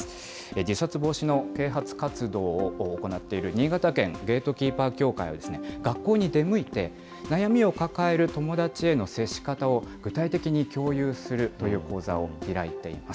自殺防止の啓発活動を行っている新潟県ゲートキーパー協会は、学校に出向いて、悩みを抱える友達への接し方を具体的に共有するという、そういう講座を開いています。